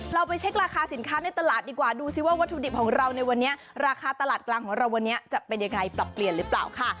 เราไปเช็คราคาสินค้าในตลาดดีกว่าดูสิว่าวัตถุดิบของเราในวันนี้ราคาตลาดกลางของเราวันนี้จะเป็นยังไงปรับเปลี่ยนหรือเปล่าค่ะ